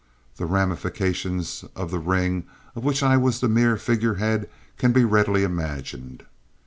_ The ramifications of the ring of which I was the mere figure head can be readily imagined.